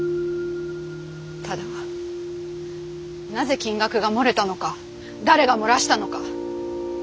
ただなぜ金額が漏れたのか誰が漏らしたのか。